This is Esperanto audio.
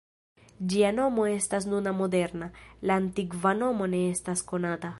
Ĝia nomo estas nuna moderna, la antikva nomo ne estas konata.